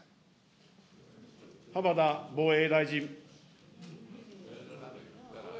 浜田防衛大臣。